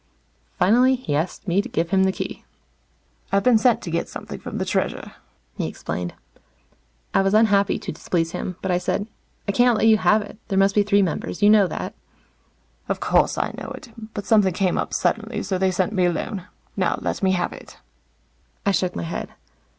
Finally, he asked me to give him the Key. "I've been sent to get something from the Treasure," he explained. I was unhappy to displease him, but I said, "I can't let you have it. There must be three members. You know that." "Of course, I know it. But something came up suddenly, so they sent me alone. Now, let me have it." I shook my head.